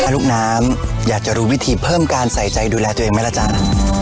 ลูกน้ำอยากจะรู้วิธีเพิ่มการใส่ใจดูแลตัวเองไหมล่ะจ๊ะ